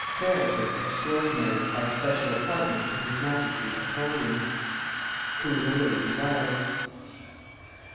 Ferreter Extraordinary by Special Appointment to his Majesty Apollyon WHO THE LADY WAS!